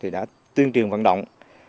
đã tuyên truyền vận động